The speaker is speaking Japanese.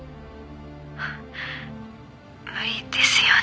「無理ですよね。